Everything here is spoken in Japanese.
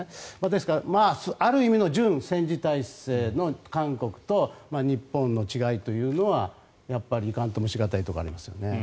ですから、ある意味の準戦時体制の韓国と日本の違いというのはやっぱりいかんともしがたいところがありますね。